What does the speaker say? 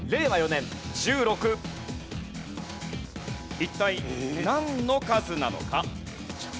一体なんの数なのか？